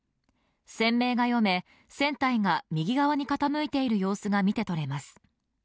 船名が読め、船体が右側に傾いている様子が見てとれます。